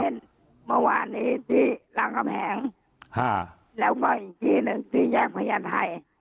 เช่นเมื่อวานนี้ที่รังกำแหงฮ่าแล้วก็อีกทีหนึ่งที่แยกไพยันไทย